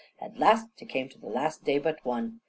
At last te came to the last day but one.